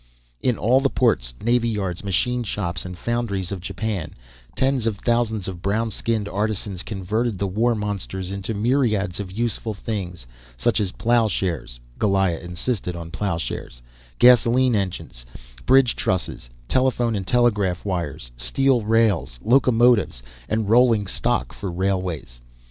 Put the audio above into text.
In all the ports, navy yards, machine shops, and foundries of Japan tens of thousands of brown skinned artisans converted the war monsters into myriads of useful things, such as ploughshares (Goliah insisted on ploughshares), gasolene engines, bridge trusses, telephone and telegraph wires, steel rails, locomotives, and rolling stock for railways.